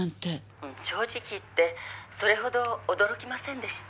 「正直言ってそれほど驚きませんでした」